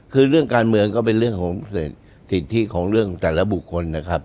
คือเรื่องการเมืองก็เป็นเรื่องของสิทธิของเรื่องแต่ละบุคคลนะครับ